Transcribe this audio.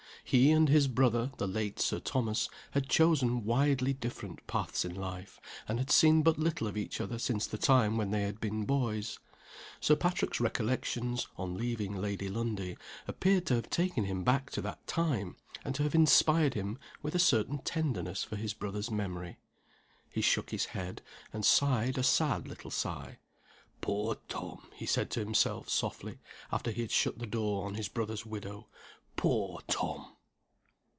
He and his brother (the late Sir Thomas) had chosen widely different paths in life, and had seen but little of each other since the time when they had been boys. Sir Patrick's recollections (on leaving Lady Lundie) appeared to have taken him back to that time, and to have inspired him with a certain tenderness for his brother's memory. He shook his head, and sighed a sad little sigh. "Poor Tom!" he said to himself, softly, after he had shut the door on his brother's widow. "Poor Tom!"